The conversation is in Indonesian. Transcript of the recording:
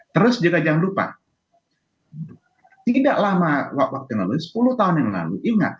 terus juga jangan lupa tidak lama waktu yang lalu sepuluh tahun yang lalu ingat